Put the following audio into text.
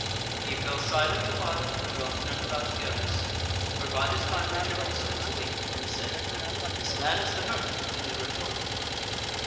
He fell silent a while, and Ralph turned about to the others, for by this time Richard also was awake, and said: "This man is the hermit of whom we were told."